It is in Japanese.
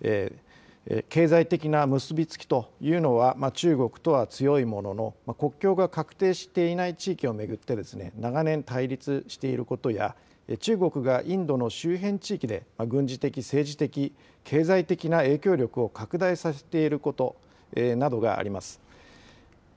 経済的な結び付きというのは中国とは強いものの、国境が画定していない地域を巡って、長年対立していることや、中国がインドの周辺地域で軍事的、政治的、経済的な影響力を拡大させていることなどがあります。